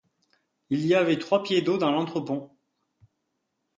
Il y avait trois pieds d’eau dans l’entrepont.